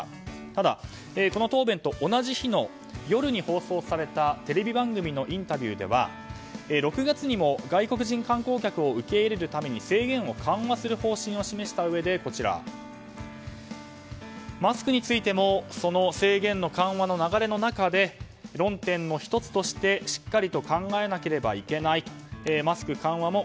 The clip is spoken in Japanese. ただ、この答弁と同じ日の夜に放送されたテレビ番組のインタビューでは６月にも外国人観光客を受け入れるために制限を緩和する方針を示したうえでマスクについてもその制限の緩和の流れの中で論点の１つとして、しっかりと考えなければいけないとマスク緩和も